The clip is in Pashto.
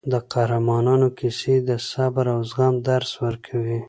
د قهرمانانو کیسې د صبر او زغم درس ورکوي.